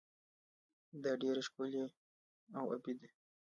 دا ډیره ښکلې او ابي ده.